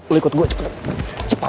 lu ikut gua cepet